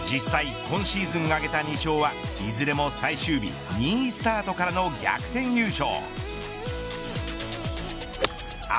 実際、今シーズン挙げた２勝はいずれも最終日２位スタートからの逆転優勝。